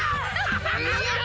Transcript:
やった！